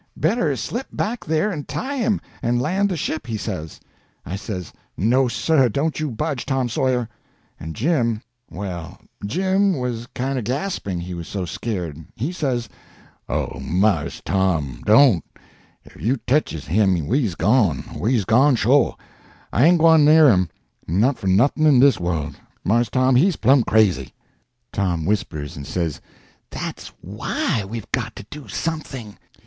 "Better slip back there and tie him, and land the ship," he says. I says: "No, sir! Don' you budge, Tom Sawyer." And Jim—well, Jim was kind o' gasping, he was so scared. He says: "Oh, Mars Tom, don't! Ef you teches him, we's gone—we's gone sho'! I ain't gwine anear him, not for nothin' in dis worl'. Mars Tom, he's plumb crazy." Tom whispers and says—"That's why we've got to do something.